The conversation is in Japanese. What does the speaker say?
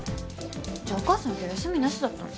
じゃあお母さん今日休みなしだったの？